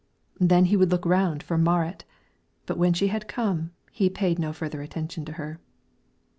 Then he would look round for Marit, but when she had come he payed no further attention to her.